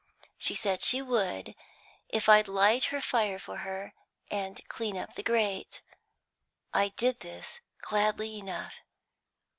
She said she would, if I'd light her fire for her, and clean up the grate. I did this, gladly enough.